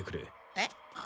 えっ？